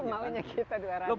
maunya kita dua ratus dolar